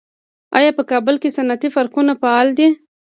آیا په کابل کې صنعتي پارکونه فعال دي؟